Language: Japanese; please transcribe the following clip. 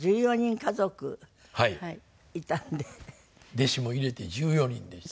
弟子も入れて１４人でした。